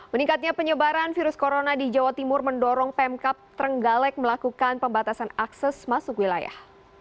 meningkatnya penyebaran virus corona di jawa timur mendorong pemkap trenggalek melakukan pembatasan akses masuk wilayah